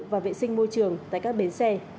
và vệ sinh môi trường tại các bến xe